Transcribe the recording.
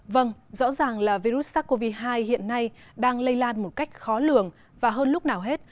vâng rõ ràng là virus sars cov hai hiện nay đang lây lan một cách khó lường và hơn lúc nào hết